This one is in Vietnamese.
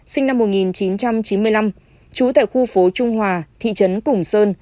sinh năm một nghìn chín trăm chín mươi năm trú tại khu phố trung hòa thị trấn củng sơn